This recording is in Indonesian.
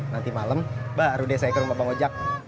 nanti malam baru deh saya ke rumah bang ojek